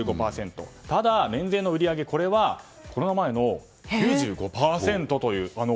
ただ、免税の売り上げはコロナ前の９５％という。